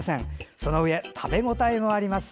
そのうえ、食べ応えもあります。